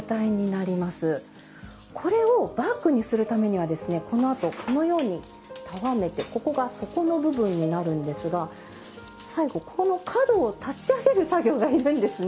これをバッグにするためにはこのあとこのようにたわめてここが底の部分になるんですが最後この角を立ち上げる作業がいるんですね。